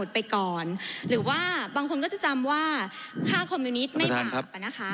ไปก่อนหรือว่าบางคนก็จะจำว่าค่าคอมมิวนิตไม่บาป